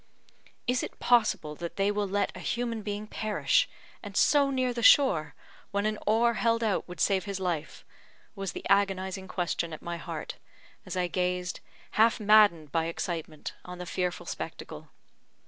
"Is it possible that they will let a human being perish, and so near the shore, when an oar held out would save his life?" was the agonising question at my heart, as I gazed, half maddened by excitement, on the fearful spectacle.